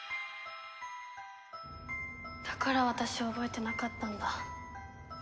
だから私覚えてなかったんだ。